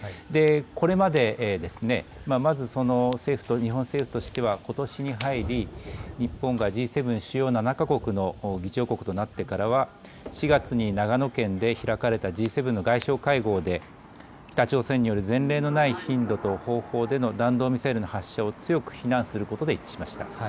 これまで、まず日本政府としてはことしに入り日本がＧ７・主要７か国の議長国となってからは４月に長野県で開かれたＧ７の外相会合で北朝鮮による前例のない頻度と方法での弾道ミサイルの発射を強く非難することで一致しました。